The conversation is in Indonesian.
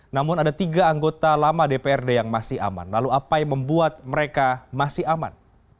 namun ada tiga anggota lama dprd yang masih aman lalu apa yang membuat mereka masih aman